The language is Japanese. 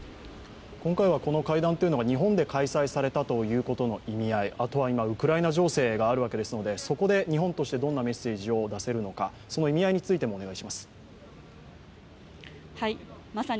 今回はこの会談が日本で開催されたということの意味合い、あとは今、ウクライナ情勢があるわけですのでそこで日本としてどんなメッセージを出せるのか、その意味合いについてもお願いします。